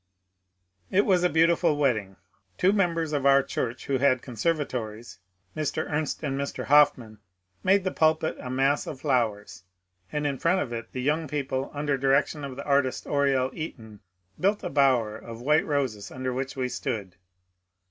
It was a beautiful wedding. Two members of our church who had conservatories, Mr. Ernst and Mr. Hofmann, made the pulpit a mass of flowers, and in front of it the young people, under direction of the artist Oriel Eaton, built a bower of white roses under which we stood.